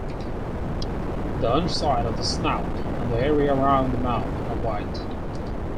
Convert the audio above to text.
The underside of the snout and the area around the mouth are white.